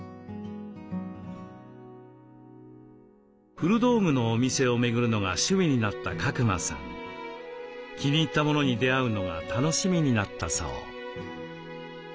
古道具のお店を巡るのが趣味になった鹿熊さん気に入ったものに出会うのが楽しみになったそう。